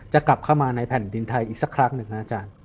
จะกลับเข้ามาในแผ่นดินไทยอีกสักครั้งหนึ่ง